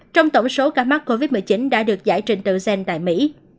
trong tổng số ca mắc covid một mươi chín đã được giải trình tự gen tại mỹ